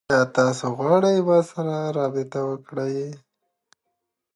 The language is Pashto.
ډیموکاسي د اسلامي شریعت سره سل په سلو کښي په ټکر کښي ده.